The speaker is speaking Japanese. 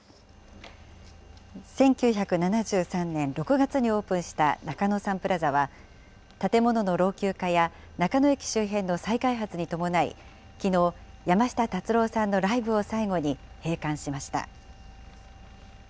１９７３年６月にオープンした中野サンプラザは、建物の老朽化や中野駅周辺の再開発に伴い、きのう、山下達郎さんのライブを最後に、閉館しました。